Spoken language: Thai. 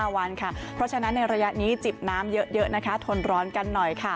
เพราะฉะนั้นในระยะนี้จิบน้ำเยอะทนร้อนกันหน่อย